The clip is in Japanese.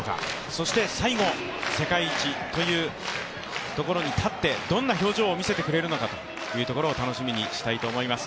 そして最後、世界一というところに立って、どんな表情を見せてくれるのか楽しみにしたいと思います。